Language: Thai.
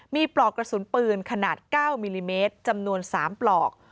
มีปลอกกระสุนปืนขนาด๙มิลลิเมตรจำนวน๓ปลอก